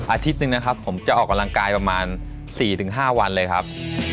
อาทิตย์หนึ่งนะครับผมจะออกกำลังกายประมาณ๔๕วันเลยครับ